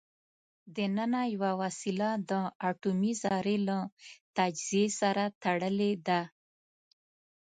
دننه یوه وسیله د اټومي ذرې له تجزیې سره تړلې ده.